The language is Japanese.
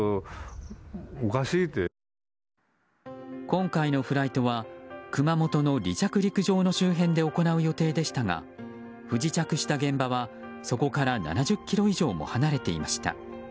今回のフライトは熊本の離着陸場の周辺で行う予定でしたが不時着した現場はそこから７０ｋｍ以上も離れていました。